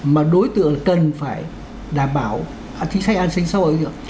mà đối tượng cần phải đảm bảo chính sách an sinh xã hội của nó